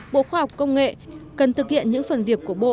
bộ khoa học công nghệ cần thực hiện những phần việc của bộ